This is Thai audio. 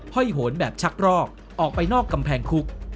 ห้อยโหนแบบชักรอกออกไปนอกกำแพงคุก